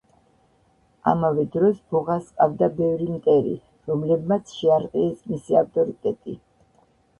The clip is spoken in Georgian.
ამავე დროს ბუღას ჰყავდა ბევრი მტერი, რომლებმაც შეარყიეს მისი ავტორიტეტი.